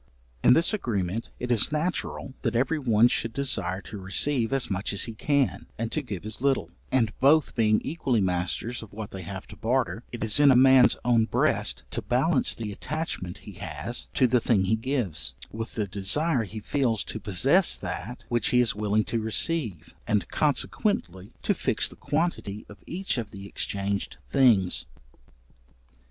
In this agreement it is natural that every one should desire to receive as much as he can, and to give as little; and both being equally masters of what they have to barter, it is in a man's own breast to balance the attachment he has to the thing he gives, with the desire he feels to possess that which he is willing to receive, and consequently to fix the quantity of each of the exchanged things.